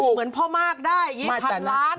เหมือนพ่อมากได้อย่างนี้พันล้าน